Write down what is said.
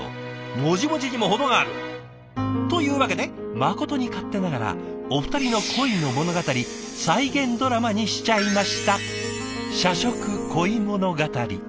もじもじにも程がある！というわけでまことに勝手ながらお二人の恋の物語再現ドラマにしちゃいました。